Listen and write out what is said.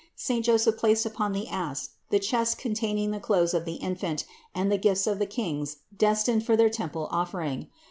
Saint Joseph placed upon the ass the chest containing the clothes of the Infant and the gifts of the Kings destined for their temple offering.